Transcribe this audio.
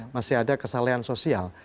masih ada kesalahan sosial